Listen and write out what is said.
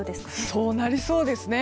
そうなりそうですね。